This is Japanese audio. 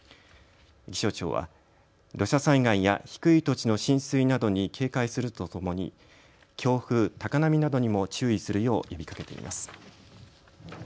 気象庁は土砂災害や低い土地の浸水などに警戒するとともに強風、高波などにも注意するよう呼びかけています。